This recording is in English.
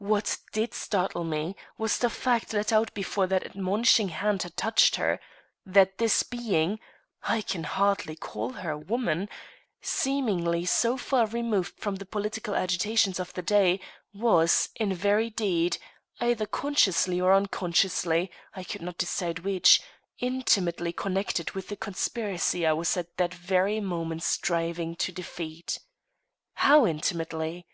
What did startle me was the fact let out before that admonishing hand touched her, that this being I can hardly call her woman seemingly so far removed from the political agitations of the day, was, in very deed, either consciously or unconsciously I could not decide which intimately connected with the conspiracy I was at that very moment striving to defeat. How intimately?